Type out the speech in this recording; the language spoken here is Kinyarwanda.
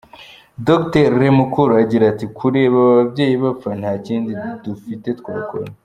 Dr Lemukol agira ati "Kureba aba babyeyi bapfa, nta kindi dufite twakora.